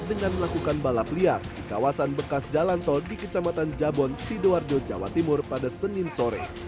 dengan melakukan balap liar di kawasan bekas jalan tol di kecamatan jabon sidoarjo jawa timur pada senin sore